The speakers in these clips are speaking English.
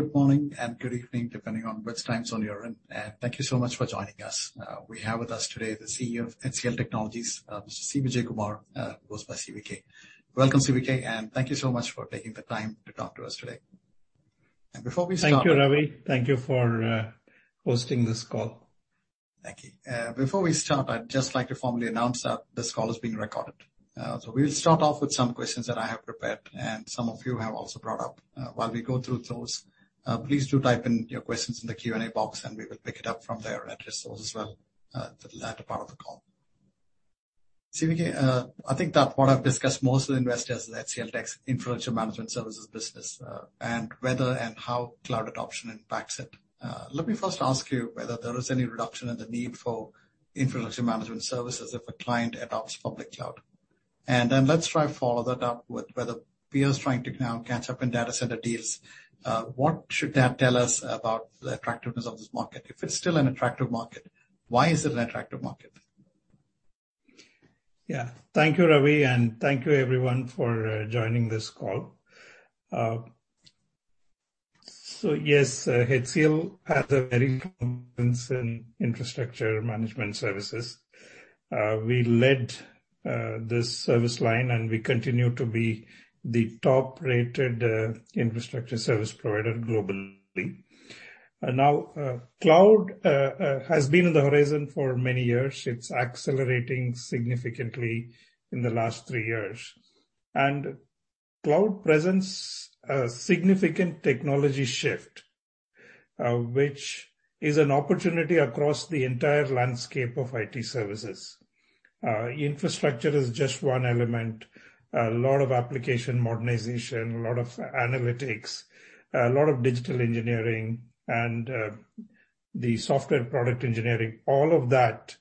Good morning and good evening, depending on which time zone you're in. Thank you so much for joining us. We have with us today the CEO of HCL Technologies, Mr. C Vijayakumar, who goes by CVK. Welcome, CVK, and thank you so much for taking the time to talk to us today. Before we start. Thank you, Ravi. Thank you for hosting this call. Thank you. Before we start, I'd just like to formally announce that this call is being recorded. We will start off with some questions that I have prepared, and some of you have also brought up. While we go through those, please do type in your questions in the Q&A box, and we will pick it up from there as well. That's part of the call. CVK, I think that what I've discussed most with investors is HCL Tech's infrastructure management services business and whether and how Cloud adoption impacts it. Let me first ask you whether there is any reduction in the need for infrastructure management services if a client adopts public Cloud. Let's try to follow that up with whether peers are trying to now catch up in data center deals. What should that tell us about the attractiveness of this market? If it's still an attractive market, why is it an attractive market? Yeah, thank you, Ravi, and thank you, everyone, for joining this call. Yes, HCL has a very convincing infrastructure management services. We led this service line, and we continue to be the top-rated infrastructure service provider globally. Now, Cloud has been on the horizon for many years. It's accelerating significantly in the last three years. Cloud presents a significant technology shift, which is an opportunity across the entire landscape of IT services. Infrastructure is just one element. A lot of application modernization, a lot of analytics, a lot of digital engineering, and the software product engineering, all of that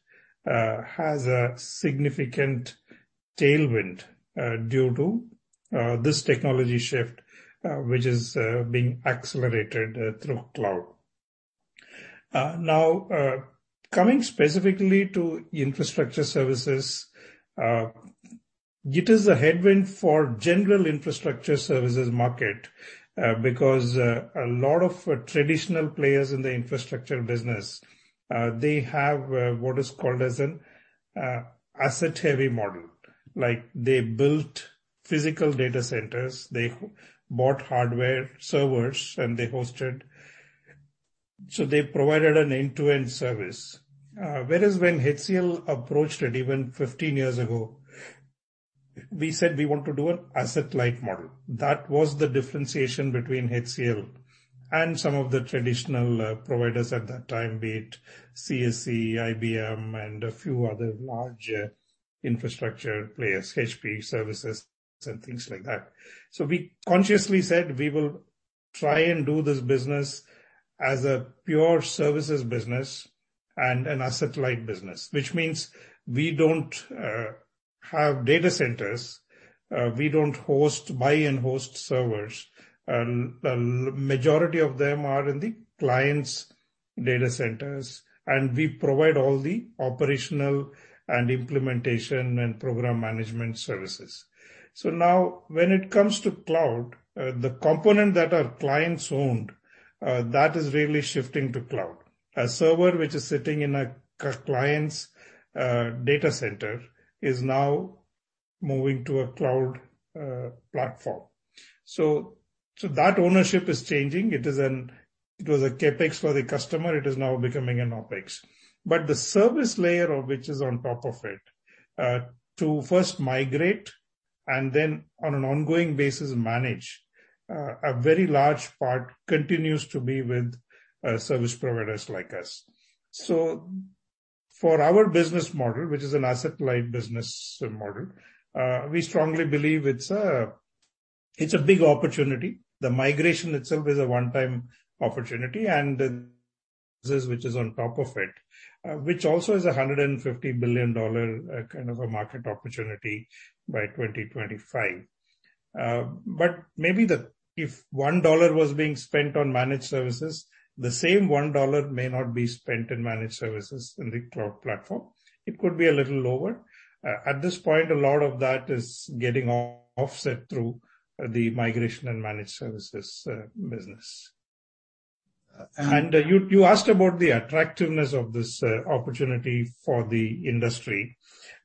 has a significant tailwind due to this technology shift, which is being accelerated through Cloud. Now, coming specifically to infrastructure services, it is a headwind for the general infrastructure services market because a lot of traditional players in the infrastructure business, they have what is called an asset-heavy model. They built physical data centers, they bought hardware servers, and they hosted. They provided an end-to-end service. Whereas when HCL approached it even 15 years ago, we said we want to do an asset-light model. That was the differentiation between HCL and some of the traditional providers at that time, be it CSC, IBM, and a few other large infrastructure players, HPE services, and things like that. We consciously said we will try and do this business as a pure services business and an asset-light business, which means we do not have data centers. We do not buy and host servers. The majority of them are in the client's data centers, and we provide all the operational and implementation and program management services. Now, when it comes to Cloud, the component that are client-owned, that is really shifting to Cloud. A server which is sitting in a client's data center is now moving to a Cloud platform. That ownership is changing. It was a CapEx for the customer. It is now becoming an OpEx. The service layer, which is on top of it, to first migrate and then on an ongoing basis manage, a very large part continues to be with service providers like us. For our business model, which is an asset-light business model, we strongly believe it's a big opportunity. The migration itself is a one-time opportunity, and this, which is on top of it, also is a $150 billion kind of a market opportunity by 2025. Maybe if $1 was being spent on managed services, the same $1 may not be spent in managed services in the Cloud platform. It could be a little lower. At this point, a lot of that is getting offset through the migration and managed services business. You asked about the attractiveness of this opportunity for the industry.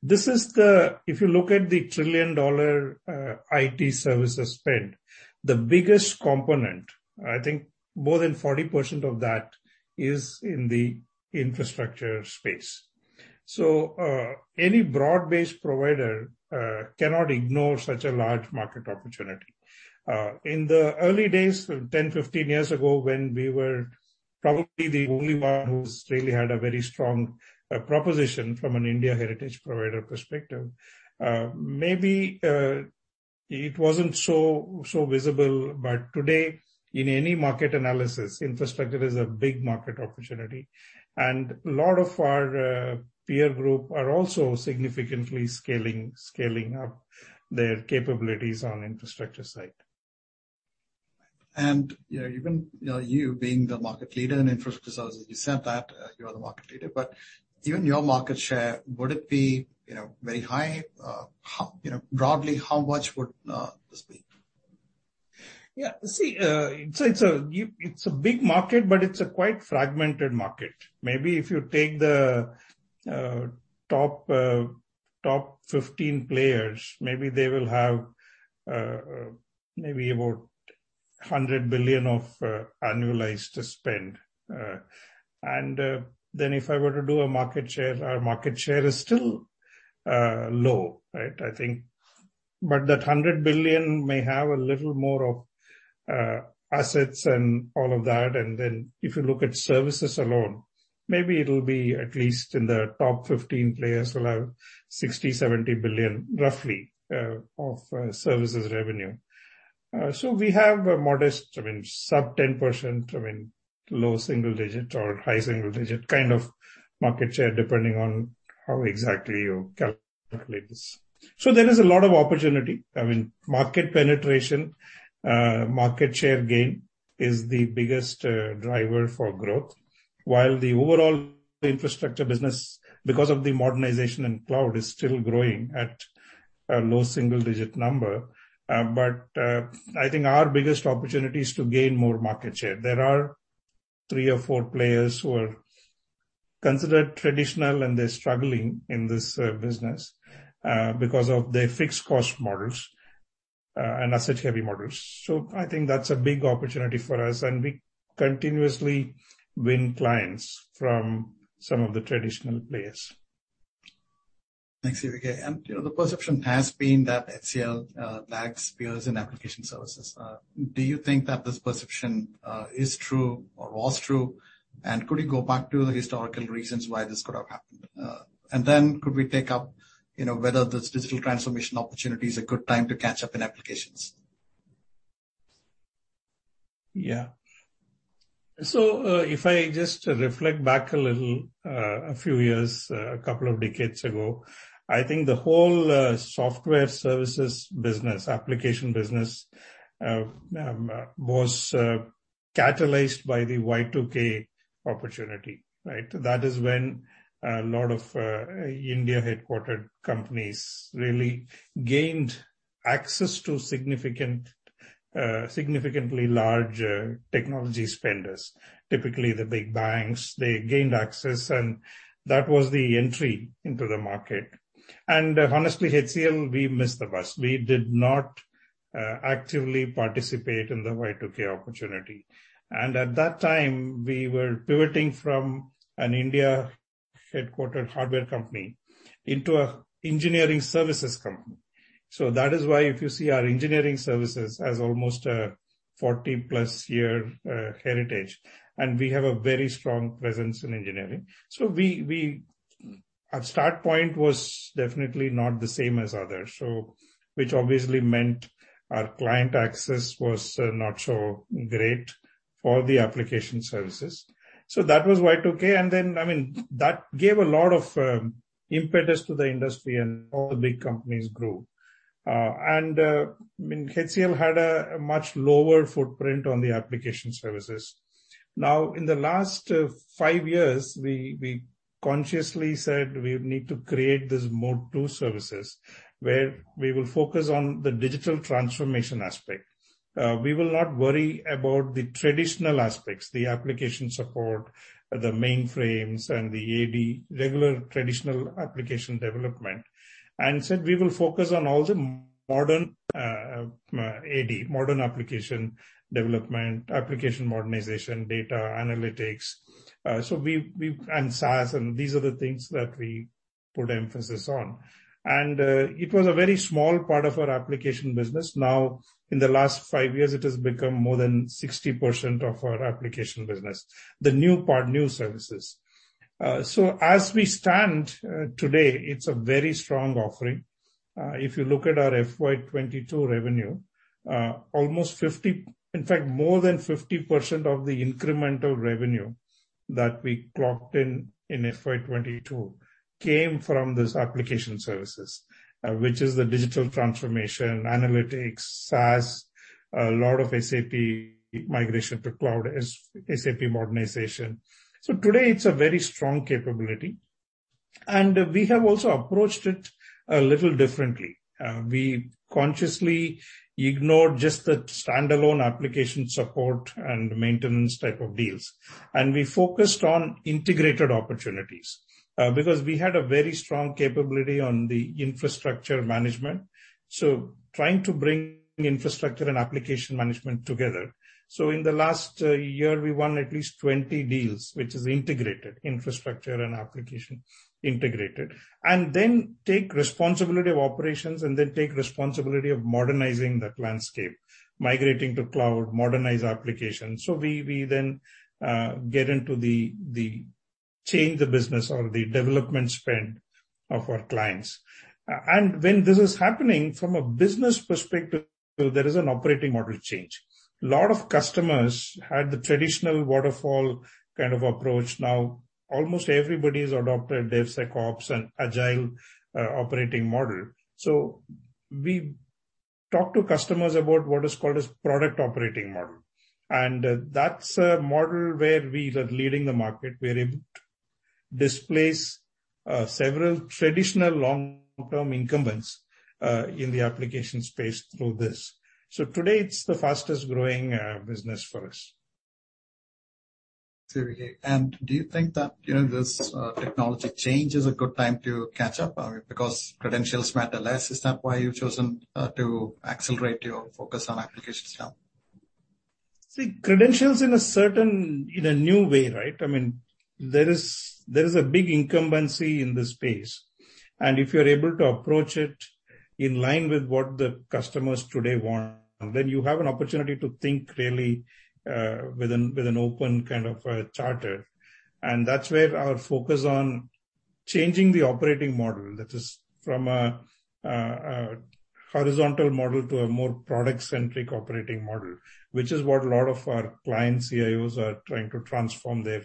If you look at the trillion-dollar IT services spend, the biggest component, I think more than 40% of that is in the infrastructure space. Any broad-based provider cannot ignore such a large market opportunity. In the early days, 10, 15 years ago, when we were probably the only one who really had a very strong proposition from an India heritage provider perspective, maybe it was not so visible. Today, in any market analysis, infrastructure is a big market opportunity. A lot of our peer group are also significantly scaling up their capabilities on the infrastructure side. Even you being the market leader in infrastructure services, you said that you are the market leader. Would your market share be very high? Broadly, how much would this be? Yeah, see, it's a big market, but it's a quite fragmented market. Maybe if you take the top 15 players, maybe they will have maybe about $100 billion of annualized spend. If I were to do a market share, our market share is still low, right? I think. That $100 billion may have a little more of assets and all of that. If you look at services alone, maybe it'll be at least in the top 15 players will have $60 billion-$70 billion, roughly, of services revenue. We have a modest, I mean, sub 10%, I mean, low single digit or high single digit kind of market share, depending on how exactly you calculate this. There is a lot of opportunity. I mean, market penetration, market share gain is the biggest driver for growth, while the overall infrastructure business, because of the modernization and Cloud, is still growing at a low single digit number. I think our biggest opportunity is to gain more market share. There are three or four players who are considered traditional, and they're struggling in this business because of their fixed cost models and asset-heavy models. I think that's a big opportunity for us. We continuously win clients from some of the traditional players. Thanks, CVK. The perception has been that HCL lacks peers in application services. Do you think that this perception is true or was true? Could you go back to the historical reasons why this could have happened? Could we take up whether this digital transformation opportunity is a good time to catch up in applications? Yeah. If I just reflect back a little, a few years, a couple of decades ago, I think the whole software services business, application business, was catalyzed by the Y2K opportunity, right? That is when a lot of India-headquartered companies really gained access to significantly larger technology spenders, typically the big banks. They gained access, and that was the entry into the market. Honestly, HCL, we missed the bus. We did not actively participate in the Y2K opportunity. At that time, we were pivoting from an India-headquartered hardware company into an engineering services company. That is why if you see our engineering services has almost a 40-plus year heritage, and we have a very strong presence in engineering. Our start point was definitely not the same as others, which obviously meant our client access was not so great for the application services. That was Y2K. And then, I mean, that gave a lot of impetus to the industry, and all the big companies grew. I mean, HCL had a much lower footprint on the application services. Now, in the last five years, we consciously said we need to create this mode two services where we will focus on the digital transformation aspect. We will not worry about the traditional aspects, the application support, the mainframes, and the AD, regular traditional application development, and said we will focus on all the modern AD, modern application development, application modernization, data analytics, and SaaS. These are the things that we put emphasis on. It was a very small part of our application business. Now, in the last five years, it has become more than 60% of our application business, the new part, new services. As we stand today, it's a very strong offering. If you look at our FY 2022 revenue, almost 50, in fact, more than 50% of the incremental revenue that we clocked in in FY 2022 came from this application services, which is the digital transformation, analytics, SaaS, a lot of SAP migration to Cloud, SAP modernization. Today, it's a very strong capability. We have also approached it a little differently. We consciously ignored just the standalone application support and maintenance type of deals. We focused on integrated opportunities because we had a very strong capability on the infrastructure management, trying to bring infrastructure and application management together. In the last year, we won at least 20 deals, which is integrated infrastructure and application integrated, and then take responsibility of operations and then take responsibility of modernizing that landscape, migrating to Cloud, modernize applications. We then get into the change the business or the development spend of our clients. When this is happening, from a business perspective, there is an operating model change. A lot of customers had the traditional waterfall kind of approach. Now, almost everybody has adopted DevSecOps and Agile operating model. We talk to customers about what is called a product operating model. That's a model where we are leading the market. We are able to displace several traditional long-term incumbents in the application space through this. Today, it's the fastest-growing business for us. CVK. Do you think that this technology change is a good time to catch up? I mean, because credentials matter less, is that why you've chosen to accelerate your focus on applications now? See, credentials in a certain new way, right? I mean, there is a big incumbency in this space. If you're able to approach it in line with what the customers today want, you have an opportunity to think really with an open kind of charter. That is where our focus on changing the operating model, that is, from a horizontal model to a more product-centric operating model, which is what a lot of our clients, CIOs, are trying to transform their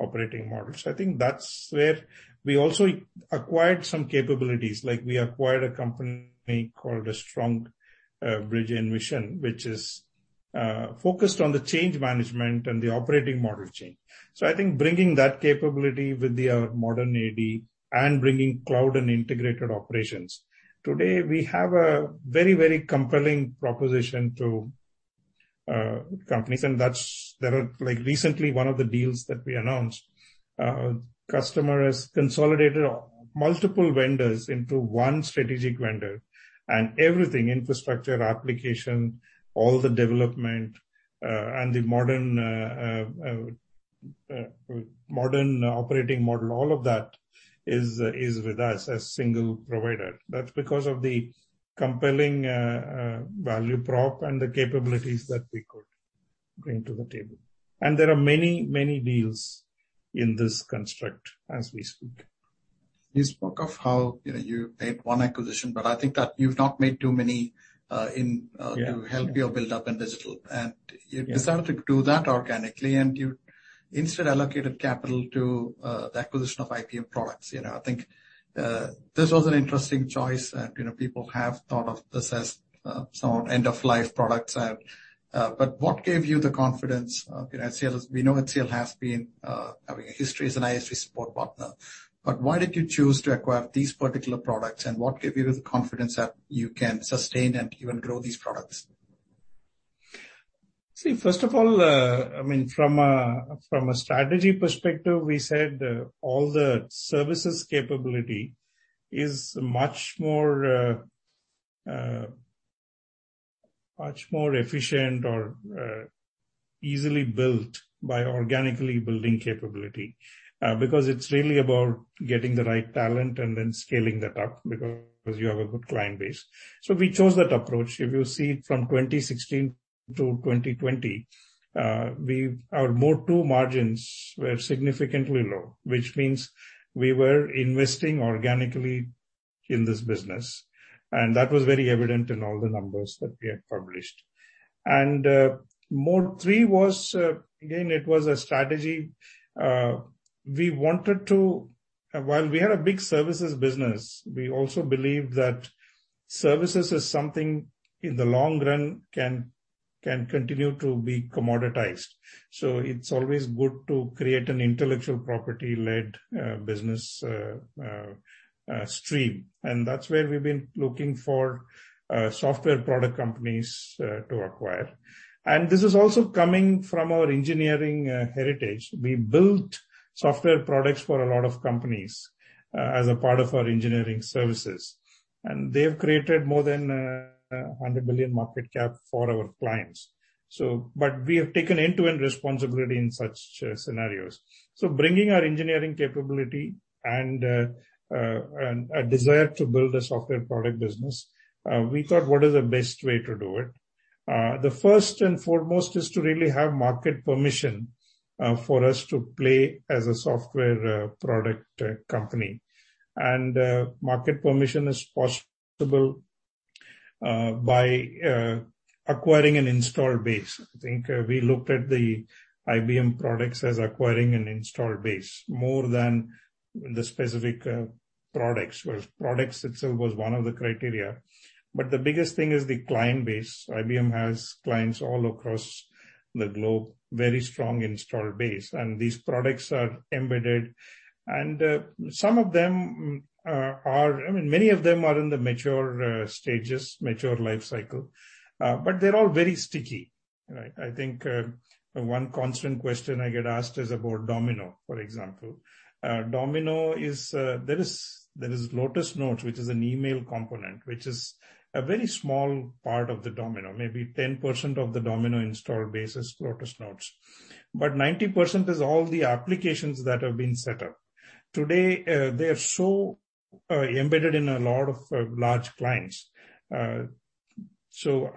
operating model. I think that is where we also acquired some capabilities. We acquired a company called Strong Bridge Envision, which is focused on the change management and the operating model change. I think bringing that capability with our modern AD and bringing Cloud and integrated operations, today, we have a very, very compelling proposition to companies. Recently, one of the deals that we announced, customer has consolidated multiple vendors into one strategic vendor. Everything, infrastructure, application, all the development, and the modern operating model, all of that is with us as a single provider. That is because of the compelling value prop and the capabilities that we could bring to the table. There are many, many deals in this construct as we speak. You spoke of how you made one acquisition, but I think that you've not made too many to help your buildup in digital. You decided to do that organically, and you instead allocated capital to the acquisition of IPM products. I think this was an interesting choice. People have thought of this as somewhat end-of-life products. What gave you the confidence? We know HCL has been having a history as an ISV support partner. Why did you choose to acquire these particular products? What gave you the confidence that you can sustain and even grow these products? See, first of all, I mean, from a strategy perspective, we said all the services capability is much more efficient or easily built by organically building capability because it's really about getting the right talent and then scaling that up because you have a good client base. We chose that approach. If you see from 2016 to 2020, our mode two margins were significantly low, which means we were investing organically in this business. That was very evident in all the numbers that we had published. Mode three was, again, it was a strategy. We wanted to, while we had a big services business, we also believed that services is something in the long run can continue to be commoditized. It is always good to create an intellectual property-led business stream. That's where we've been looking for software product companies to acquire. This is also coming from our engineering heritage. We built software products for a lot of companies as a part of our engineering services. They have created more than $100 billion market cap for our clients. We have taken end-to-end responsibility in such scenarios. Bringing our engineering capability and a desire to build a software product business, we thought, what is the best way to do it? The first and foremost is to really have market permission for us to play as a software product company. Market permission is possible by acquiring an install base. I think we looked at the IBM products as acquiring an install base more than the specific products. Products itself was one of the criteria. The biggest thing is the client base. IBM has clients all across the globe, very strong install base. These products are embedded. Some of them are, I mean, many of them are in the mature stages, mature life cycle. They are all very sticky, right? I think one constant question I get asked is about Domino, for example. Domino is, there is Lotus Notes, which is an email component, which is a very small part of Domino. Maybe 10% of the Domino install base is Lotus Notes. But 90% is all the applications that have been set up. Today, they are so embedded in a lot of large clients. To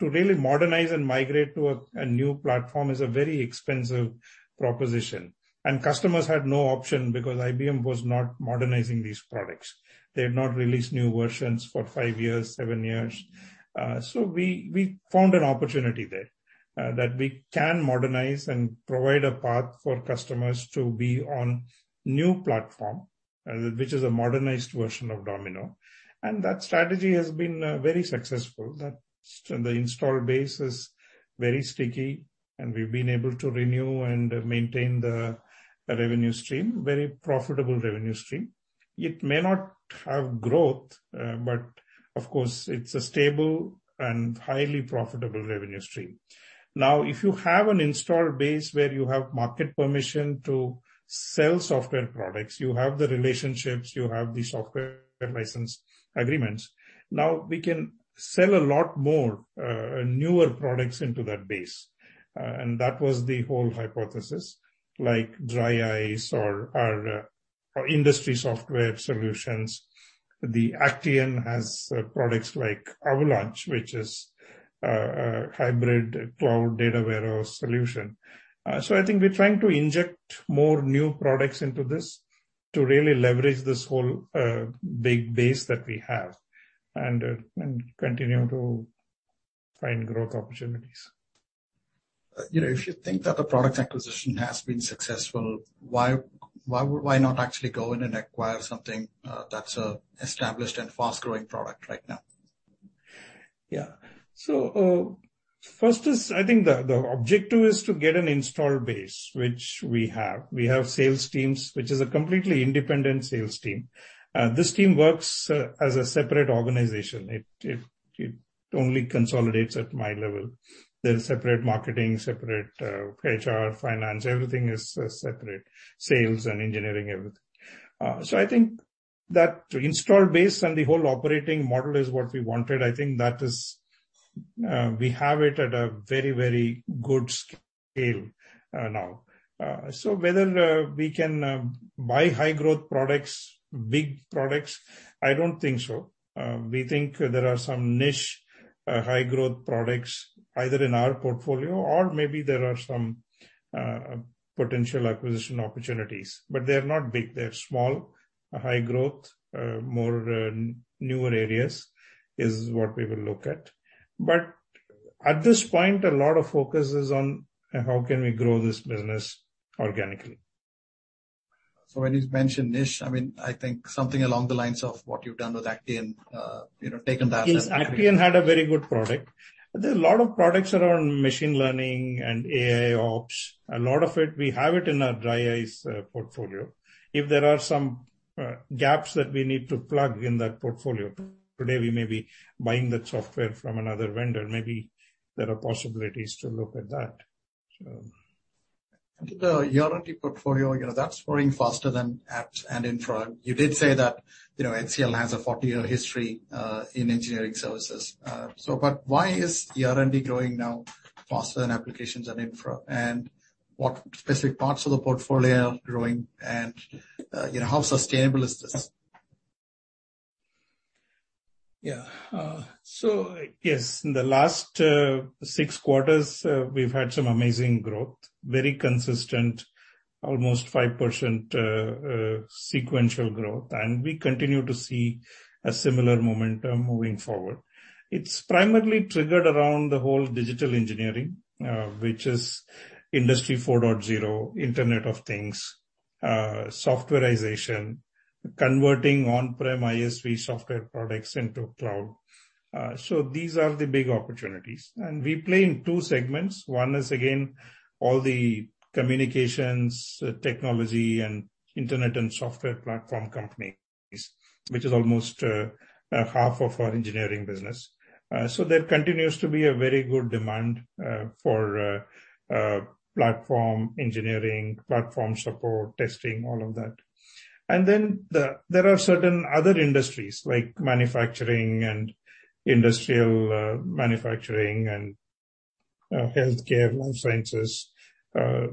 really modernize and migrate to a new platform is a very expensive proposition. Customers had no option because IBM was not modernizing these products. They had not released new versions for five years, seven years. We found an opportunity there that we can modernize and provide a path for customers to be on a new platform, which is a modernized version of Domino. That strategy has been very successful. The install base is very sticky, and we've been able to renew and maintain the revenue stream, very profitable revenue stream. It may not have growth, but of course, it's a stable and highly profitable revenue stream. Now, if you have an install base where you have market permission to sell software products, you have the relationships, you have the software license agreements. Now, we can sell a lot more newer products into that base. That was the whole hypothesis, like DRYiCE or our industry software solutions. Actian has products like Avalanche, which is a hybrid Cloud data warehouse solution. I think we're trying to inject more new products into this to really leverage this whole big base that we have and continue to find growth opportunities. If you think that the product acquisition has been successful, why not actually go in and acquire something that's an established and fast-growing product right now? Yeah. First, I think the objective is to get an install base, which we have. We have sales teams, which is a completely independent sales team. This team works as a separate organization. It only consolidates at my level. There are separate marketing, separate HR, finance, everything is separate, sales and engineering, everything. I think that install base and the whole operating model is what we wanted. I think that we have it at a very, very good scale now. Whether we can buy high-growth products, big products, I don't think so. We think there are some niche high-growth products either in our portfolio or maybe there are some potential acquisition opportunities. They are not big. They are small, high-growth, more newer areas is what we will look at. At this point, a lot of focus is on how can we grow this business organically. When you mentioned niche, I mean, I think something along the lines of what you've done with Actian, taken that. Yes, Actian had a very good product. There are a lot of products around machine learning and AIOps. A lot of it, we have it in our DRYiCE portfolio. If there are some gaps that we need to plug in that portfolio, today, we may be buying that software from another vendor. Maybe there are possibilities to look at that. Your R&D portfolio, that's growing faster than apps and infra. You did say that HCL has a 40-year history in engineering services. Why is your R&D growing now faster than applications and infra? What specific parts of the portfolio are growing? How sustainable is this? Yeah. Yes, in the last six quarters, we've had some amazing growth, very consistent, almost 5% sequential growth. We continue to see a similar momentum moving forward. It's primarily triggered around the whole digital engineering, which is industry 4.0, Internet of Things, softwarization, converting on-prem ISV software products into Cloud. These are the big opportunities. We play in two segments. One is, again, all the communications technology and internet and software platform companies, which is almost half of our engineering business. There continues to be a very good demand for platform engineering, platform support, testing, all of that. There are certain other industries like manufacturing and industrial manufacturing and healthcare, liscences,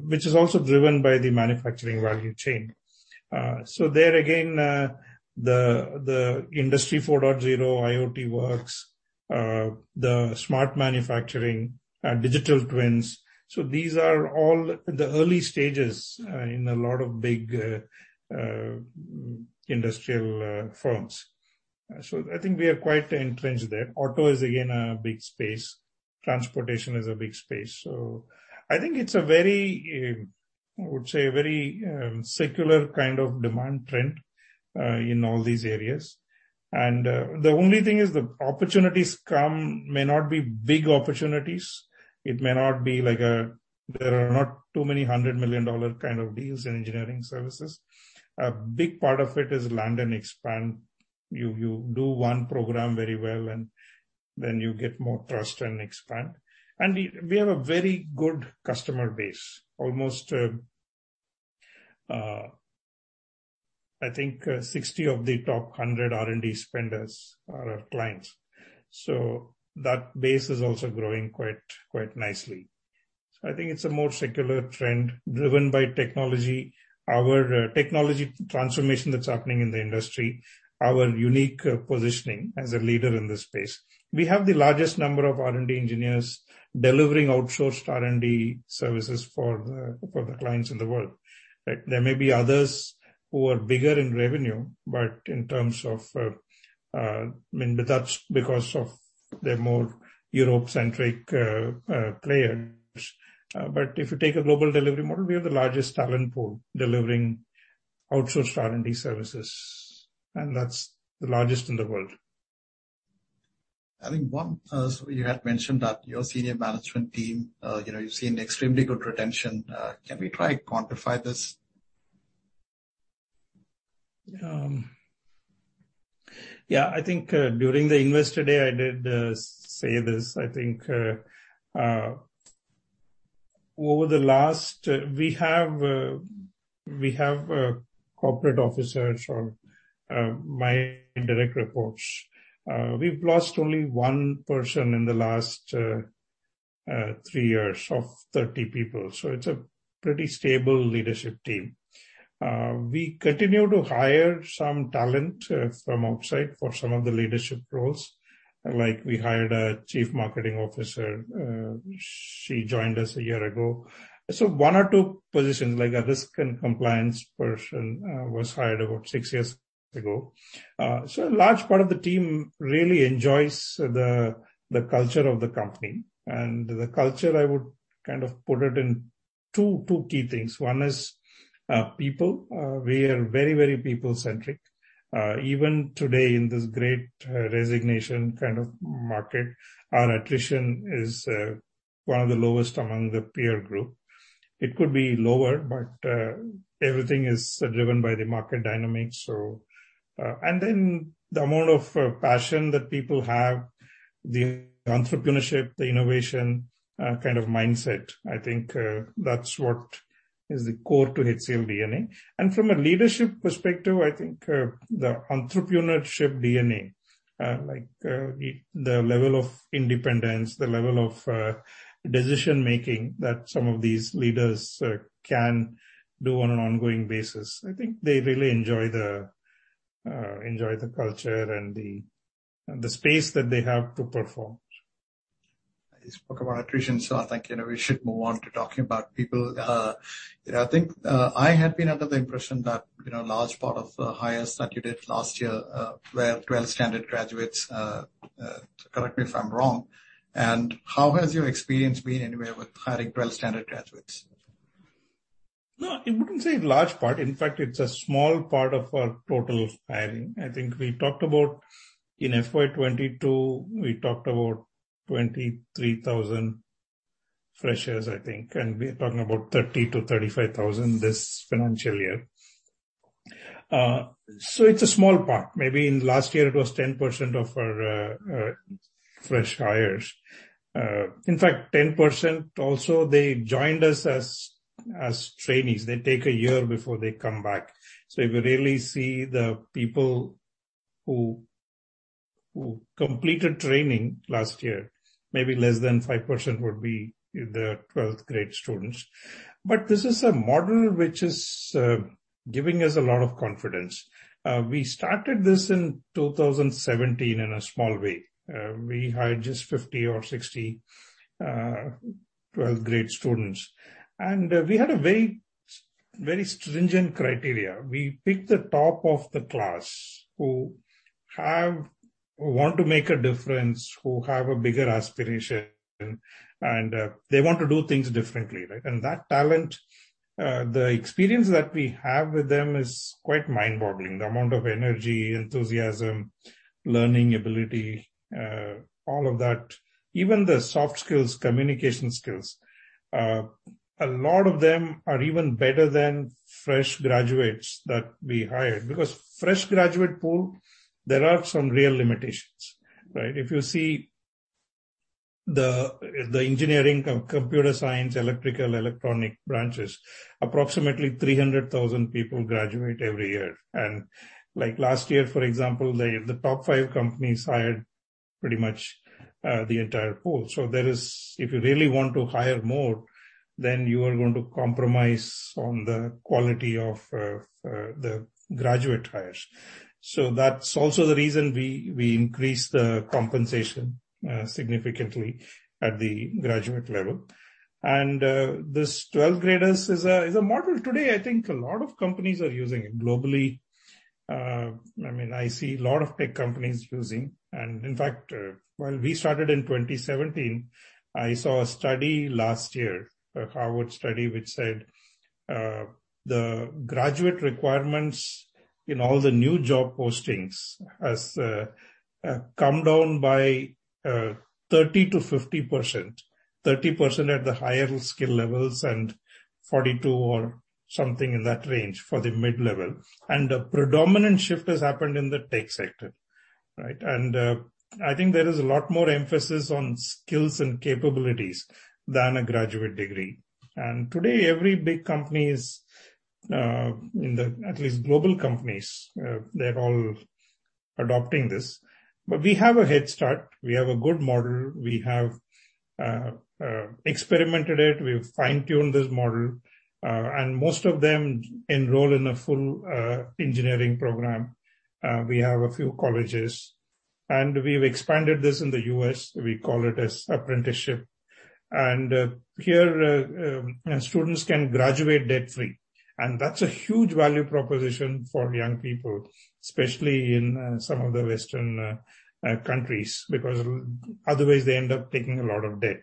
which is also driven by the manufacturing value chain. There, again, the industry 4.0, IoT works, the smart manufacturing, digital twins. These are all in the early stages in a lot of big industrial firms. I think we are quite entrenched there. Auto is, again, a big space. Transportation is a big space. I think it's a very, I would say, a very secular kind of demand trend in all these areas. The only thing is the opportunities may not be big opportunities. It may not be like there are not too many $100 million kind of deals in engineering services. A big part of it is land and expand. You do one program very well, and then you get more trust and expand. We have a very good customer base, almost, I think, 60 of the top 100 R&D spenders are our clients. That base is also growing quite nicely. I think it's a more secular trend driven by technology, our technology transformation that's happening in the industry, our unique positioning as a leader in this space. We have the largest number of R&D engineers delivering outsourced R&D services for the clients in the world. There may be others who are bigger in revenue, but in terms of, I mean, that's because they're more Europe-centric players. If you take a global delivery model, we have the largest talent pool delivering outsourced R&D services. That's the largest in the world. I think one of the things you had mentioned that your senior management team, you've seen extremely good retention. Can we try to quantify this? Yeah. I think during the invest today, I did say this. I think over the last, we have corporate officers or my direct reports. We've lost only one person in the last three years of 30 people. So it's a pretty stable leadership team. We continue to hire some talent from outside for some of the leadership roles. Like we hired a Chief Marketing Officer. She joined us a year ago. One or two positions, like a risk and compliance person was hired about six years ago. A large part of the team really enjoys the culture of the company. The culture, I would kind of put it in two key things. One is people. We are very, very people-centric. Even today, in this great resignation kind of market, our attrition is one of the lowest among the peer group. It could be lower, but everything is driven by the market dynamics. The amount of passion that people have, the entrepreneurship, the innovation kind of mindset, I think that's what is the core to HCL DNA. From a leadership perspective, I think the entrepreneurship DNA, like the level of independence, the level of decision-making that some of these leaders can do on an ongoing basis, I think they really enjoy the culture and the space that they have to perform. You spoke about attrition, so I think we should move on to talking about people. I think I had been under the impression that a large part of the hires that you did last year were 12-standard graduates. Correct me if I'm wrong. How has your experience been anywhere with hiring 12-standard graduates? No, I wouldn't say a large part. In fact, it's a small part of our total hiring. I think we talked about in FY 2022, we talked about 23,000 freshers, I think. And we're talking about 30,000-35,000 this financial year. It is a small part. Maybe in last year, it was 10% of our fresh hires. In fact, 10% also, they joined us as trainees. They take a year before they come back. If you really see the people who completed training last year, maybe less than 5% would be the 12th-grade students. This is a model which is giving us a lot of confidence. We started this in 2017 in a small way. We hired just 50 or 60 12th-grade students. We had a very stringent criteria. We picked the top of the class who want to make a difference, who have a bigger aspiration, and they want to do things differently. That talent, the experience that we have with them is quite mind-boggling, the amount of energy, enthusiasm, learning ability, all of that, even the soft skills, communication skills. A lot of them are even better than fresh graduates that we hired. Because fresh graduate pool, there are some real limitations, right? If you see the engineering, computer science, electrical, electronic branches, approximately 300,000 people graduate every year. Like last year, for example, the top five companies hired pretty much the entire pool. If you really want to hire more, then you are going to compromise on the quality of the graduate hires. That is also the reason we increased the compensation significantly at the graduate level. This 12th graders is a model today. I think a lot of companies are using it globally. I mean, I see a lot of tech companies using. In fact, while we started in 2017, I saw a study last year, a Harvard study, which said the graduate requirements in all the new job postings has come down by 30%-50%, 30% at the higher skill levels and 42% or something in that range for the mid-level. The predominant shift has happened in the tech sector, right? I think there is a lot more emphasis on skills and capabilities than a graduate degree. Today, every big company is, at least global companies, they're all adopting this. We have a head start. We have a good model. We have experimented it. We've fine-tuned this model. Most of them enroll in a full engineering program. We have a few colleges. We have expanded this in the U.S. We call it as apprenticeship. Here, students can graduate debt-free. That is a huge value proposition for young people, especially in some of the Western countries, because otherwise, they end up taking a lot of debt.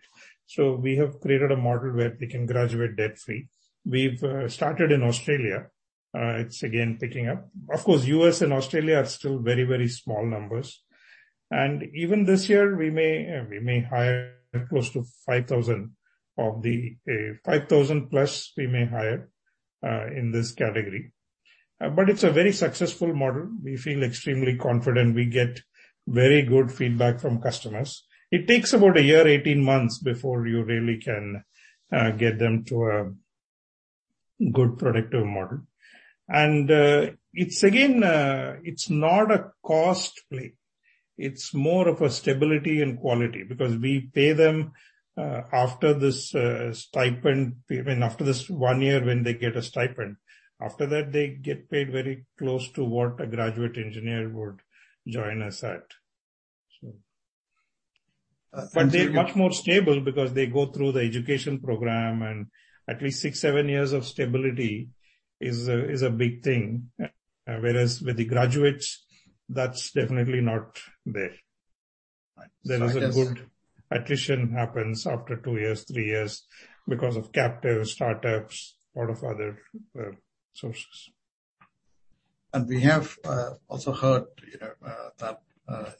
We have created a model where they can graduate debt-free. We started in Australia. It is again picking up. Of course, U.S. and Australia are still very, very small numbers. Even this year, we may hire close to 5,000, of the 5,000 plus we may hire in this category. It is a very successful model. We feel extremely confident. We get very good feedback from customers. It takes about a year, 18 months before you really can get them to a good productive model. It is again, it is not a cost play. It's more of a stability and quality because we pay them after this stipend, after this one year when they get a stipend. After that, they get paid very close to what a graduate engineer would join us at. They're much more stable because they go through the education program. At least six, seven years of stability is a big thing. Whereas with the graduates, that's definitely not there. There is a good attrition that happens after two years, three years because of captive startups, a lot of other sources. We have also heard that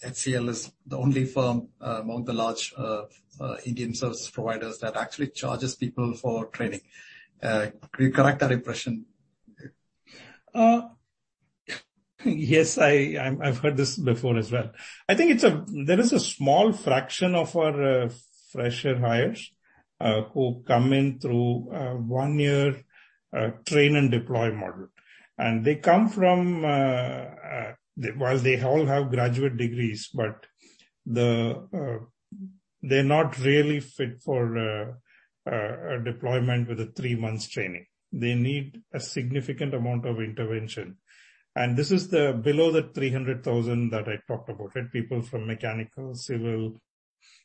HCL is the only firm among the large Indian service providers that actually charges people for training. Could you correct that impression? Yes, I've heard this before as well. I think there is a small fraction of our fresher hires who come in through a one-year train-and-deploy model. They come from, while they all have graduate degrees, but they're not really fit for deployment with a three-month training. They need a significant amount of intervention. This is below the 300,000 that I talked about, right? People from mechanical, civil,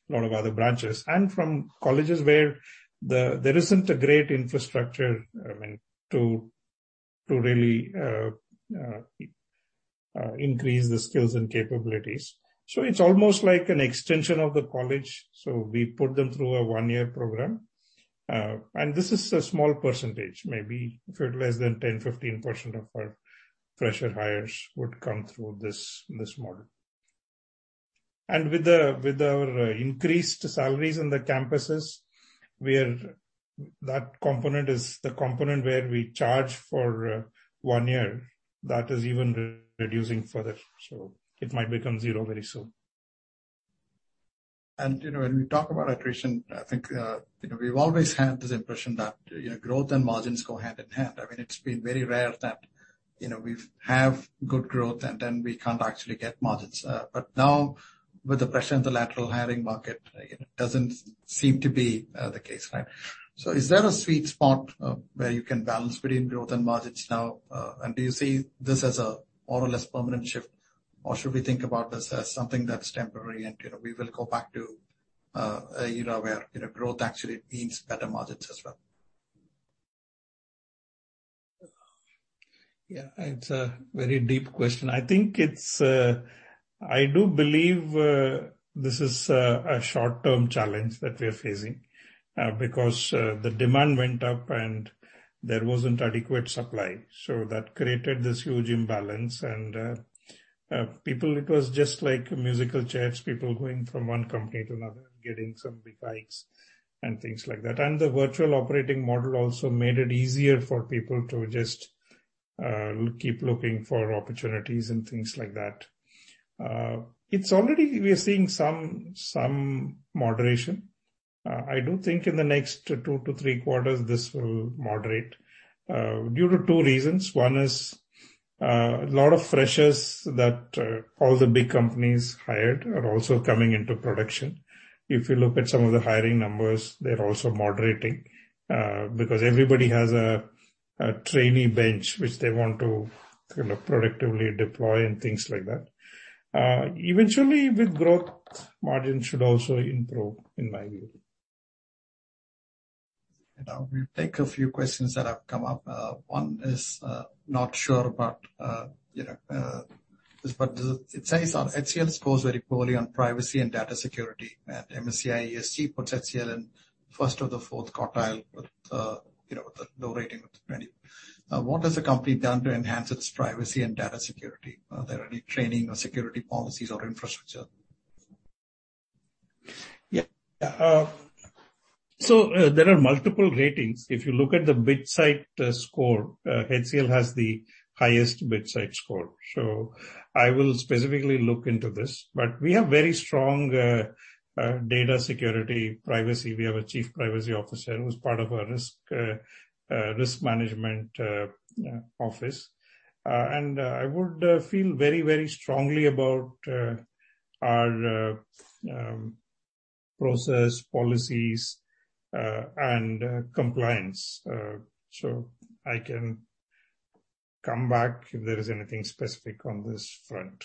a lot of other branches, and from colleges where there isn't a great infrastructure to really increase the skills and capabilities. It's almost like an extension of the college. We put them through a one-year program. This is a small percentage. Maybe less than 10%-15% of our fresher hires would come through this model. With our increased salaries in the campuses, that component is the component where we charge for one year. That is even reducing further. It might become zero very soon. When we talk about attrition, I think we've always had this impression that growth and margins go hand in hand. I mean, it's been very rare that we have good growth and then we can't actually get margins. Now, with the pressure in the lateral hiring market, it doesn't seem to be the case, right? Is there a sweet spot where you can balance between growth and margins now? Do you see this as a more or less permanent shift, or should we think about this as something that's temporary and we will go back to an era where growth actually means better margins as well? Yeah, it's a very deep question. I think it's, I do believe this is a short-term challenge that we are facing because the demand went up and there wasn't adequate supply. That created this huge imbalance. People, it was just like musical chairs, people going from one company to another, getting some big hikes and things like that. The virtual operating model also made it easier for people to just keep looking for opportunities and things like that. We are seeing some moderation. I do think in the next two to three quarters, this will moderate due to two reasons. One is a lot of freshers that all the big companies hired are also coming into production. If you look at some of the hiring numbers, they're also moderating because everybody has a trainee bench, which they want to kind of productively deploy and things like that. Eventually, with growth, margins should also improve, in my view. Now, we'll take a few questions that have come up. One is not sure, but it says HCL scores very poorly on privacy and data security. MSCI ESG puts HCL in the first or the fourth quartile with the low rating of 20. What has the company done to enhance its privacy and data security? Are there any training or security policies or infrastructure? Yeah. There are multiple ratings. If you look at the bid site score, HCL has the highest bid site score. I will specifically look into this. We have very strong data security, privacy. We have a Chief Privacy Officer who's part of our risk management office. I would feel very, very strongly about our process, policies, and compliance. I can come back if there is anything specific on this front.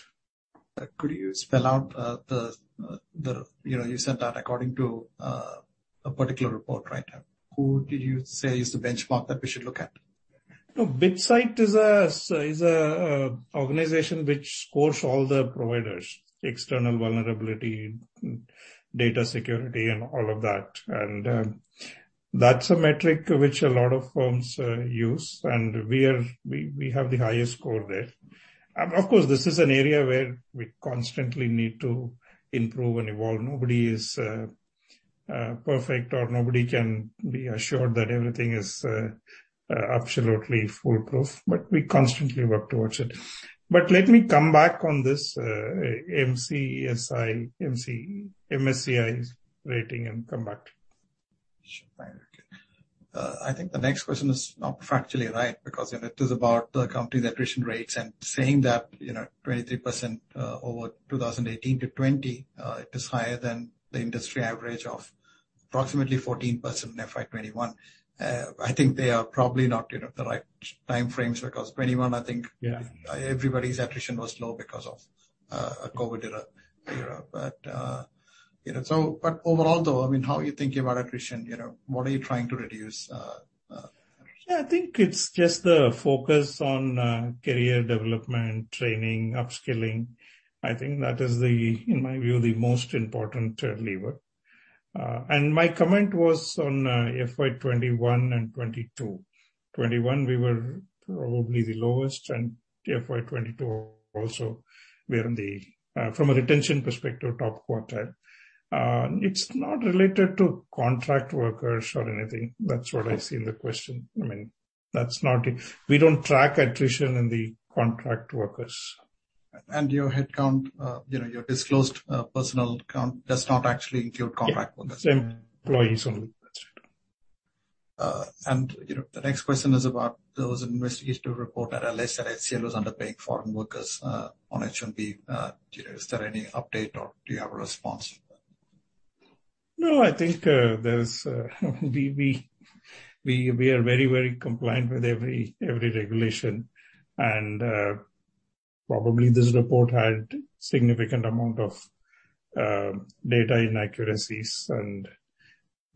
Could you spell out the, you sent out according to a particular report, right? Who did you say is the benchmark that we should look at? No, BidSite is an organization which scores all the providers, external vulnerability, data security, and all of that. That is a metric which a lot of firms use. We have the highest score there. Of course, this is an area where we constantly need to improve and evolve. Nobody is perfect or nobody can be assured that everything is absolutely foolproof. We constantly work towards it. Let me come back on this MCSI, MSCI rating and come back. Sure. I think the next question is not factually right because it is about the company's attrition rates and saying that 23% over 2018 to 2020, it is higher than the industry average of approximately 14% in FY 2021. I think they are probably not the right time frames because 2021, I think everybody's attrition was low because of a COVID era. Overall, though, I mean, how are you thinking about attrition? What are you trying to reduce? Yeah, I think it's just the focus on career development, training, upskilling. I think that is, in my view, the most important lever. My comment was on FY 2021 and 2022. In 2021, we were probably the lowest, and FY 2022 also, we were in the, from a retention perspective, top quartile. It's not related to contract workers or anything. That's what I see in the question. I mean, we don't track attrition in the contract workers. Your headcount, your disclosed personal count does not actually include contract workers. Employees only. The next question is about those investigation reports that allege that HCL was underpaying foreign workers on H-1B. Is there any update or do you have a response? No, I think we are very, very compliant with every regulation. Probably this report had a significant amount of data inaccuracies.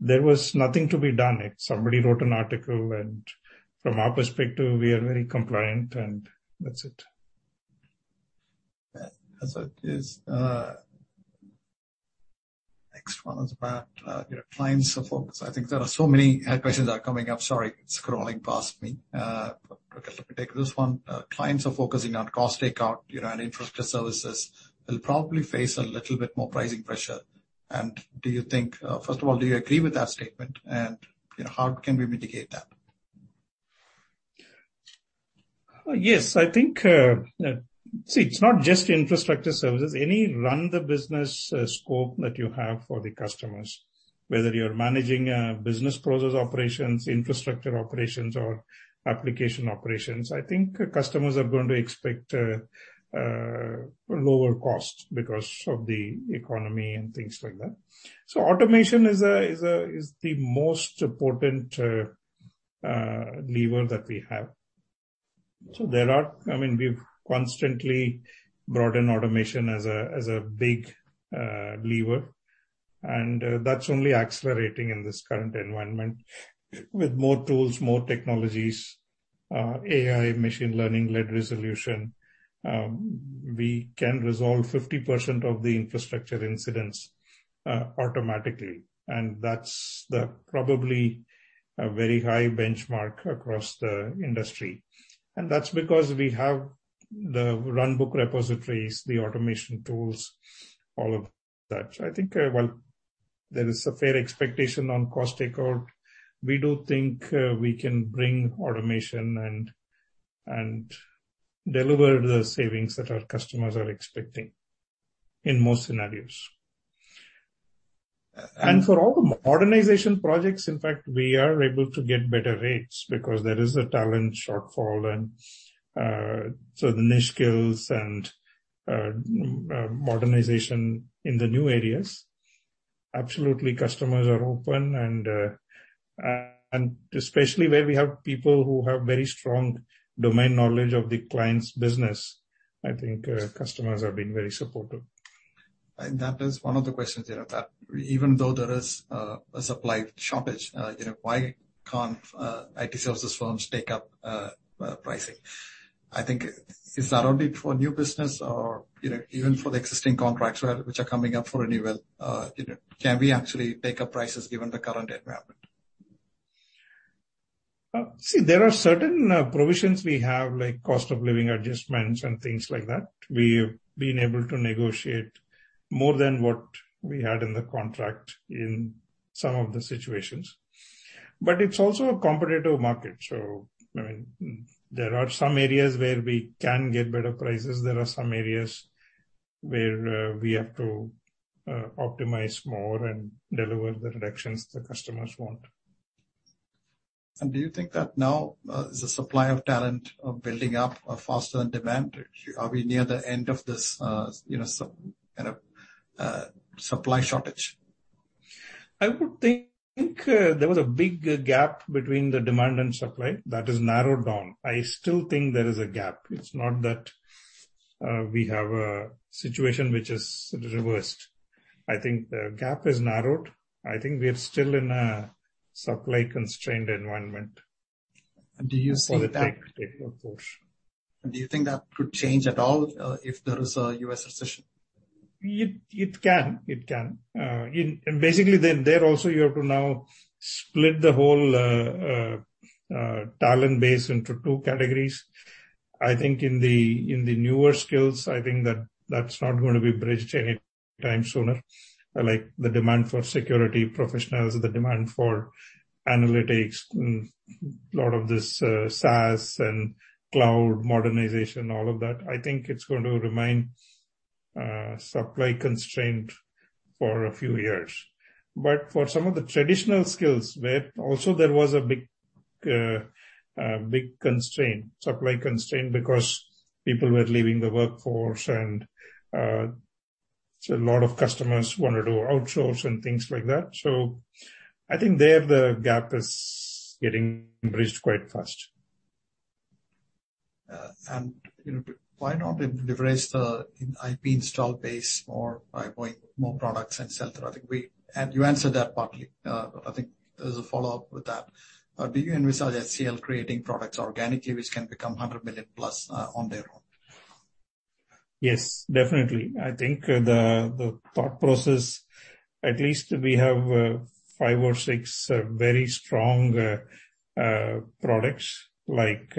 There was nothing to be done. Somebody wrote an article. From our perspective, we are very compliant and that's it. Next one is about clients of focus. I think there are so many questions that are coming up. Sorry, it's crawling past me. Let me take this one. Clients are focusing on cost takeout and infrastructure services will probably face a little bit more pricing pressure. Do you think, first of all, do you agree with that statement? How can we mitigate that? Yes, I think it's not just infrastructure services. Any run-the-business scope that you have for the customers, whether you're managing business process operations, infrastructure operations, or application operations, I think customers are going to expect lower cost because of the economy and things like that. Automation is the most important lever that we have. I mean, we've constantly broadened automation as a big lever. That's only accelerating in this current environment. With more tools, more technologies, AI, machine learning-led resolution, we can resolve 50% of the infrastructure incidents automatically. That's probably a very high benchmark across the industry. That's because we have the runbook repositories, the automation tools, all of that. I think there is a fair expectation on cost takeout. We do think we can bring automation and deliver the savings that our customers are expecting in most scenarios. For all the modernization projects, in fact, we are able to get better rates because there is a talent shortfall. The niche skills and modernization in the new areas, absolutely customers are open. Especially where we have people who have very strong domain knowledge of the client's business, I think customers have been very supportive. That is one of the questions that even though there is a supply shortage, why can't IT services firms take up pricing? I think is that only for new business or even for the existing contracts which are coming up for renewal? Can we actually take up prices given the current environment? See, there are certain provisions we have, like cost of living adjustments and things like that. We have been able to negotiate more than what we had in the contract in some of the situations. But it's also a complicated market, there are some areas where we can get better prices. There are some areas where we have to optimize more and deliver the reductions the customers want. Do you think that now is a supply of talent building up faster than demand? Are we near the end of this kind of supply shortage? I would think there was a big gap between the demand and supply that has narrowed down. I still think there is a gap. It's not that we have a situation which is reversed. I think the gap is narrowed. I think we are still in a supply-constrained environment for the tech portion. Do you think that could change at all if there is a U.S. recession? It can. It can. Basically, then there also you have to now split the whole talent base into two categories. I think in the newer skills, I think that that's not going to be bridged anytime sooner. Like the demand for security professionals, the demand for analytics, a lot of this SaaS and Cloud modernization, all of that. I think it's going to remain supply-constrained for a few years. For some of the traditional skills, also there was a big constraint, supply constraint, because people were leaving the workforce and a lot of customers wanted to outsource and things like that. I think there the gap is getting bridged quite fast. Why not embrace the IP install base or buy more products and sell through? I think you answered that partly. I think there is a follow-up with that. Do you envisage HCL creating products organically which can become $100 million plus on their own? Yes, definitely. I think the thought process, at least we have five or six very strong products like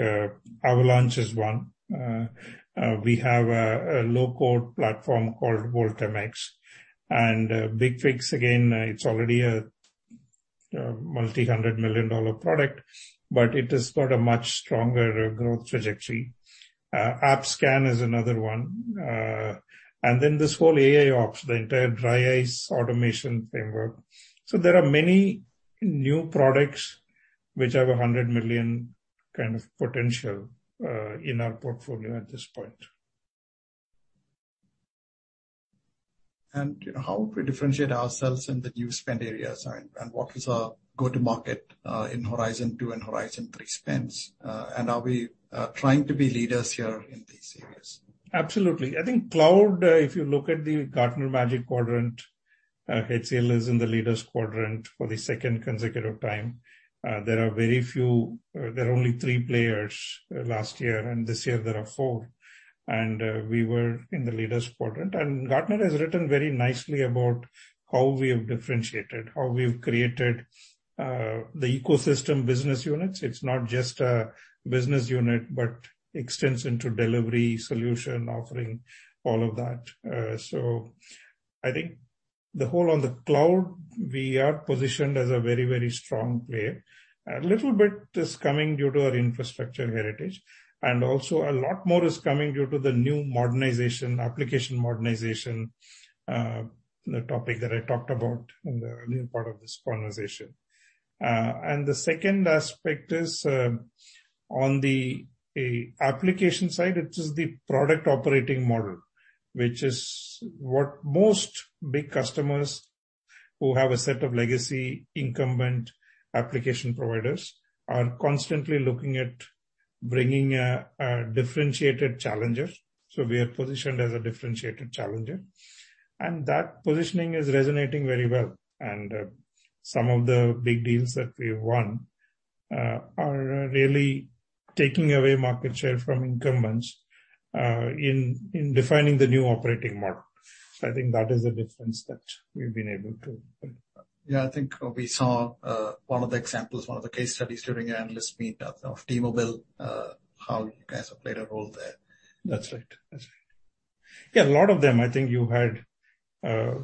Avalanche is one. We have a low-code platform called Volt MX. BigFix, again, it's already a multi-hundred million dollar product, but it has got a much stronger growth trajectory. AppScan is another one. This whole AIOps, the entire DRYiCE automation framework. There are many new products which have a $100 million kind of potential in our portfolio at this point. How would we differentiate ourselves in the new spend areas? What is our go-to-market in Horizon 2 and Horizon 3 spends? Are we trying to be leaders here in these areas? Absolutely. I think Cloud, if you look at the Gartner Magic Quadrant, HCL is in the leaders quadrant for the second consecutive time. There are very few; there are only three players last year, and this year there are four. We were in the leaders quadrant. Gartner has written very nicely about how we have differentiated, how we have created the ecosystem business units. It is not just a business unit, but extends into delivery solution, offering all of that. I think the whole on the Cloud, we are positioned as a very, very strong player. A little bit is coming due to our infrastructure heritage. Also, a lot more is coming due to the new modernization, application modernization, the topic that I talked about in the new part of this conversation. The second aspect is on the application side, it is the product operating model, which is what most big customers who have a set of legacy incumbent application providers are constantly looking at bringing a differentiated challenger. We are positioned as a differentiated challenger. That positioning is resonating very well. Some of the big deals that we have won are really taking away market share from incumbents in defining the new operating model. I think that is a difference that we've been able to. Yeah, I think we saw one of the examples, one of the case studies during an analyst meet of T-Mobile, how you guys have played a role there. That's right. That's right. Yeah, a lot of them. I think you had a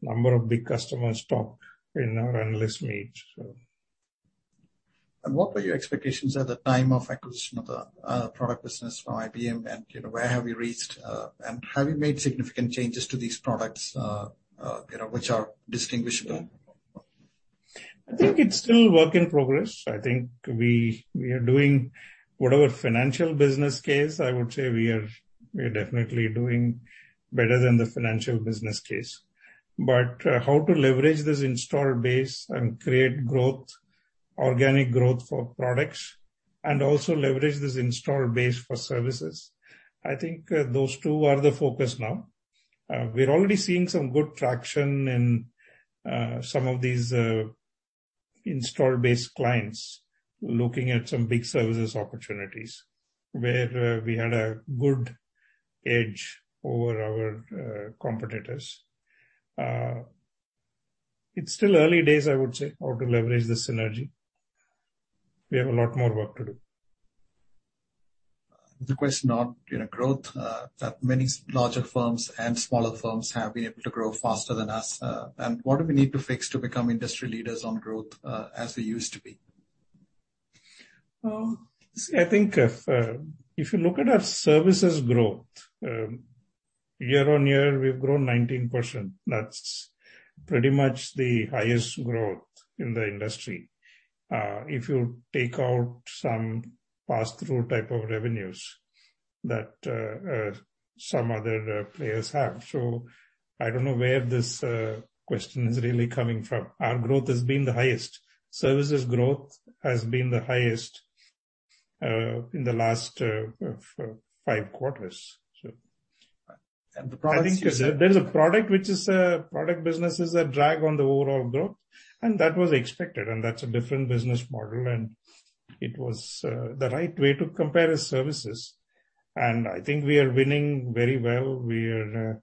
number of big customers talk in our analyst meet. What were your expectations at the time of acquisition of the product business from IBM? Where have you reached? Have you made significant changes to these products which are distinguishable? I think it's still a work in progress. I think we are doing whatever financial business case, I would say we are definitely doing better than the financial business case. How to leverage this install base and create growth, organic growth for products, and also leverage this install base for services. I think those two are the focus now. We're already seeing some good traction in some of these install-based clients looking at some big services opportunities where we had a good edge over our competitors. It's still early days, I would say, how to leverage the synergy. We have a lot more work to do. The question on growth, that many larger firms and smaller firms have been able to grow faster than us. What do we need to fix to become industry leaders on growth as we used to be? I think if you look at our services growth, year on year, we've grown 19%. That's pretty much the highest growth in the industry if you take out some pass-through type of revenues that some other players have. I don't know where this question is really coming from. Our growth has been the highest. Services growth has been the highest in the last five quarters. The product is a— is a product which is a product business that drags on the overall growth. That was expected. That is a different business model. It was the right way to compare services. I think we are winning very well. We are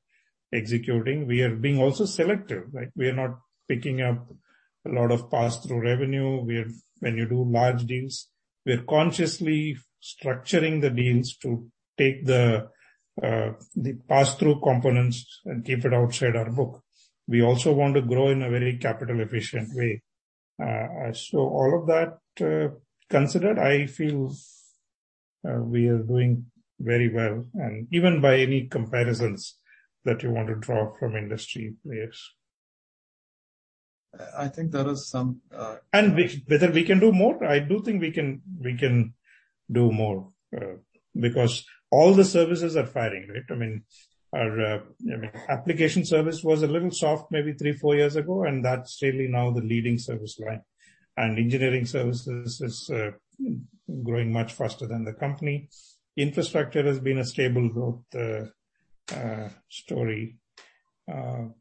executing. We are being also selective. We are not picking up a lot of pass-through revenue. When you do large deals, we are consciously structuring the deals to take the pass-through components and keep it outside our book. We also want to grow in a very capital-efficient way. All of that considered, I feel we are doing very well, even by any comparisons that you want to draw from industry players. I think there is some— Whether we can do more, I do think we can do more because all the services are firing, right? I mean, our application service was a little soft maybe three, four years ago. That's really now the leading service line. Engineering services is growing much faster than the company. Infrastructure has been a stable growth story. I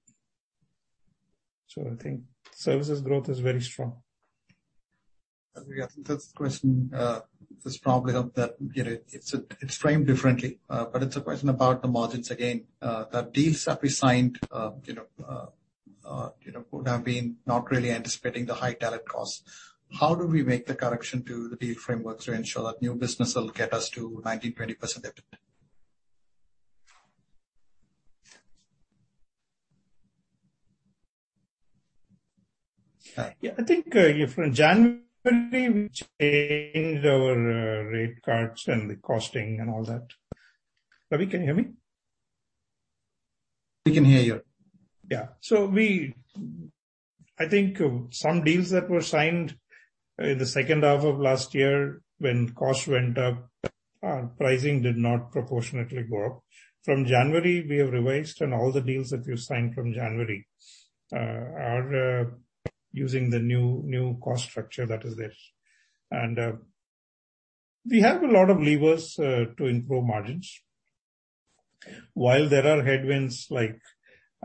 think services growth is very strong. I think that's the question. This probably helped that it's framed differently. It's a question about the margins. Again, the deals that we signed would have been not really anticipating the high talent costs. How do we make the correction to the deal frameworks to ensure that new business will get us to 19-20% effort? Yeah, I think from January, we changed our rate cards and the costing and all that. Can you hear me? We can hear you. Yeah. I think some deals that were signed in the second half of last year when costs went up, our pricing did not proportionately go up. From January, we have revised and all the deals that we've signed from January are using the new cost structure that is there. We have a lot of levers to improve margins. While there are headwinds like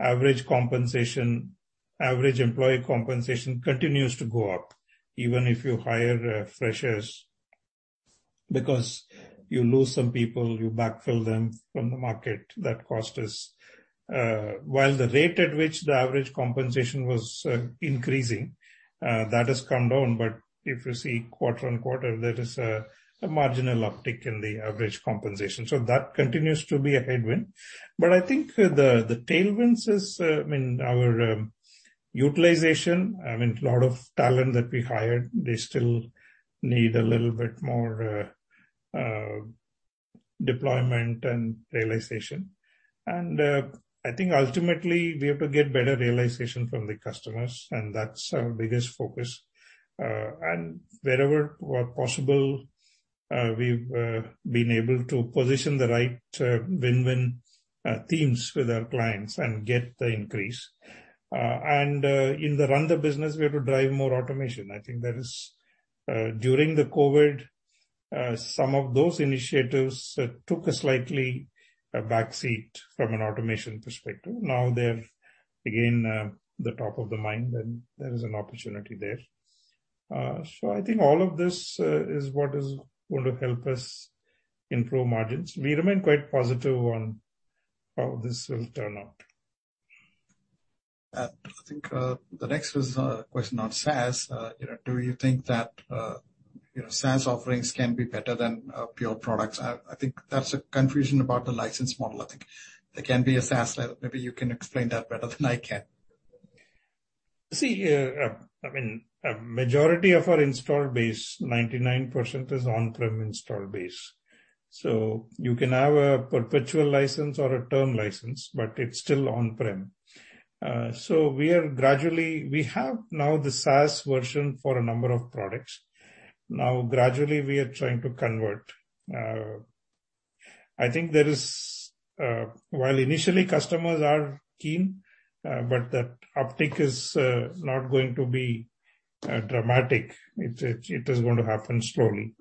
average compensation, average employee compensation continues to go up even if you hire freshers because you lose some people, you backfill them from the market, that cost is. While the rate at which the average compensation was increasing, that has come down. If you see quarter on quarter, there is a marginal uptick in the average compensation. That continues to be a headwind. I think the tailwinds is, I mean, our utilization, I mean, a lot of talent that we hired, they still need a little bit more deployment and realization. I think ultimately we have to get better realization from the customers. That's our biggest focus. Wherever possible, we've been able to position the right win-win themes with our clients and get the increase. In the run the business, we have to drive more automation. I think that is during the COVID, some of those initiatives took a slightly backseat from an automation perspective. Now they're again the top of the mind and there is an opportunity there. I think all of this is what is going to help us improve margins. We remain quite positive on how this will turn out. I think the next question on SaaS, do you think that SaaS offerings can be better than pure products? I think that's a confusion about the license model. I think there can be a SaaS level. Maybe you can explain that better than I can. See, I mean, a majority of our install base, 99% is on-prem install base. You can have a perpetual license or a term license, but it's still on-prem. We have now the SaaS version for a number of products. Gradually we are trying to convert. I think there is, while initially customers are keen, but that uptick is not going to be dramatic. It is going to happen slowly.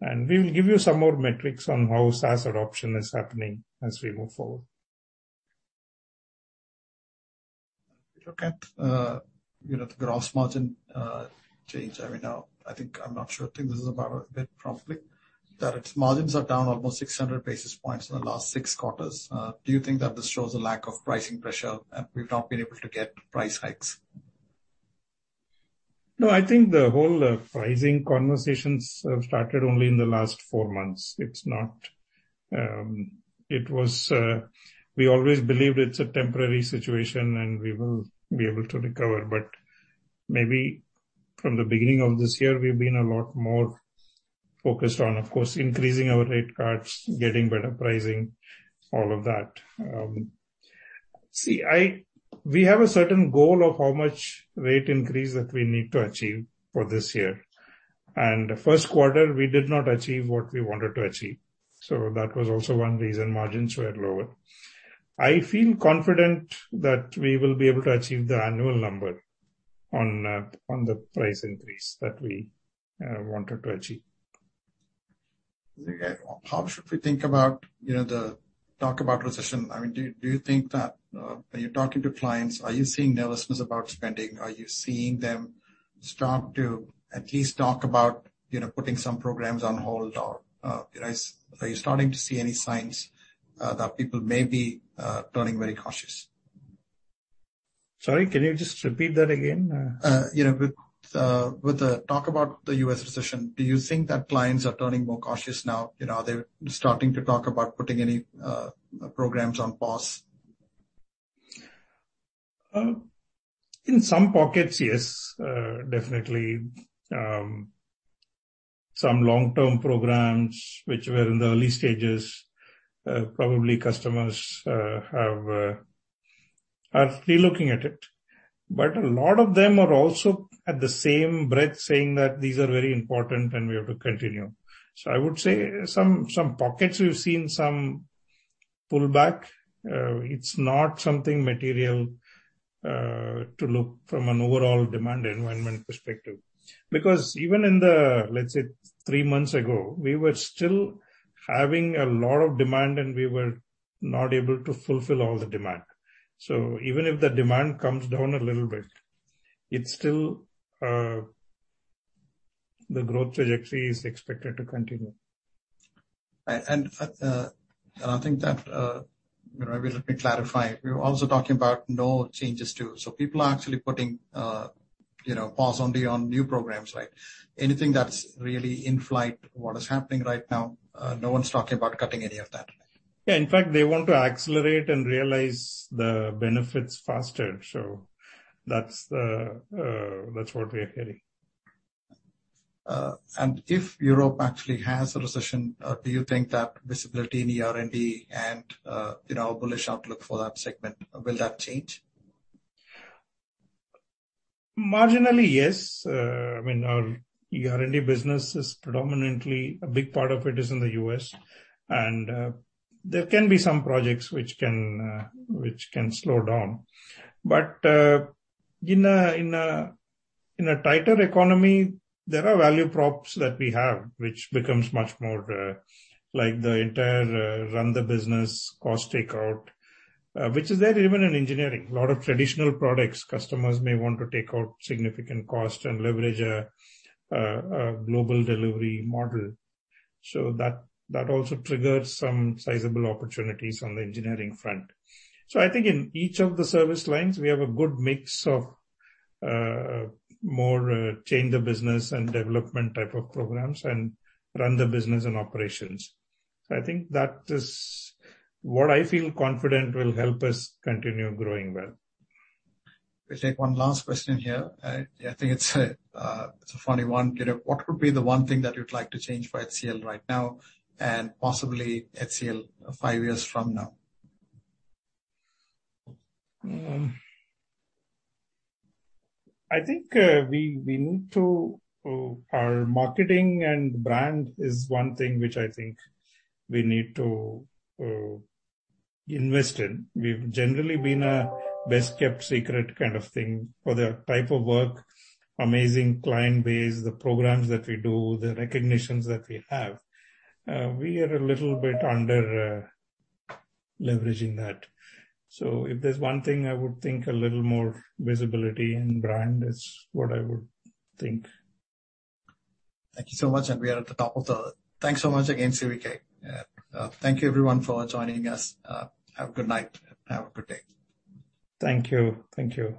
We will give you some more metrics on how SaaS adoption is happening as we move forward. Look at the gross margin change. I mean, I think I'm not sure. I think this is about a bit promptly that its margins are down almost 600 basis points in the last six quarters. Do you think that this shows a lack of pricing pressure and we've not been able to get price hikes? No, I think the whole pricing conversations have started only in the last four months. It was, we always believed it's a temporary situation and we will be able to recover. Maybe from the beginning of this year, we've been a lot more focused on, of course, increasing our rate cards, getting better pricing, all of that. See, we have a certain goal of how much rate increase that we need to achieve for this year. In the first quarter, we did not achieve what we wanted to achieve. That was also one reason margins were lower. I feel confident that we will be able to achieve the annual number on the price increase that we wanted to achieve. How should we think about the talk about recession? I mean, do you think that when you're talking to clients, are you seeing nervousness about spending? Are you seeing them start to at least talk about putting some programs on hold? Are you starting to see any signs that people may be turning very cautious? Sorry, can you just repeat that again? With the talk about the US recession, do you think that clients are turning more cautious now? Are they starting to talk about putting any programs on pause? In some pockets, yes, definitely. Some long-term programs which were in the early stages, probably customers are relooking at it. A lot of them are also at the same breadth saying that these are very important and we have to continue. I would say some pockets we've seen some pullback. It's not something material to look from an overall demand environment perspective. Because even in the, let's say, three months ago, we were still having a lot of demand and we were not able to fulfill all the demand. Even if the demand comes down a little bit, it's still the growth trajectory is expected to continue. I think that maybe let me clarify. We were also talking about no changes too. People are actually putting pause only on new programs, right? Anything that's really in flight, what is happening right now, no one's talking about cutting any of that. Yeah, in fact, they want to accelerate and realize the benefits faster. That is what we are hearing. If Europe actually has a recession, do you think that visibility in the ER&D and our bullish outlook for that segment, will that change? Marginally, yes. I mean, our ER&D business is predominantly a big part of it is in the US. There can be some projects which can slow down. In a tighter economy, there are value props that we have, which becomes much more like the entire run the business, cost takeout, which is there even in engineering. A lot of traditional products, customers may want to take out significant cost and leverage a global delivery model. That also triggers some sizable opportunities on the engineering front. I think in each of the service lines, we have a good mix of more change the business and development type of programs and run the business and operations. I think that is what I feel confident will help us continue growing well. We take one last question here. I think it's a funny one. What would be the one thing that you'd like to change for HCL right now and possibly HCL five years from now? I think we need to, our marketing and brand is one thing which I think we need to invest in. We've generally been a best kept secret kind of thing for the type of work, amazing client base, the programs that we do, the recognitions that we have. We are a little bit under leveraging that. If there's one thing I would think a little more visibility and brand is what I would think. Thank you so much. We are at the top of the. Thank you so much again, CVK. Thank you everyone for joining us. Have a good night. Have a good day. Thank you. Thank you.